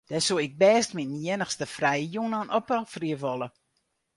Dêr soe ik bêst myn iennichste frije jûn oan opofferje wolle.